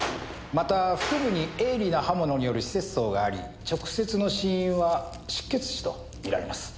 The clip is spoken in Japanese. また腹部に鋭利な刃物による刺切創があり直接の死因は失血死と見られます。